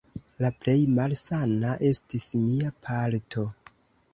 La plej malsana estis mia palto.